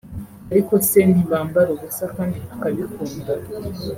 Ariko se ntibambara ubusa kdi tukabikunda